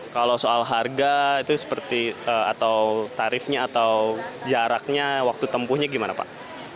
kalau soal harga itu seperti atau tarifnya atau jaraknya waktu tempuhnya gimana pak